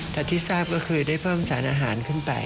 แต่ที่ทราบก็คือได้เพิ่มสารอาหารขึ้นไป